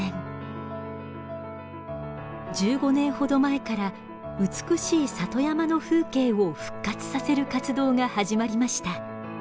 １５年ほど前から美しい里山の風景を復活させる活動が始まりました。